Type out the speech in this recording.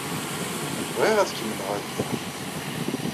Bɣiɣ ad kemmleɣ ad ddreɣ.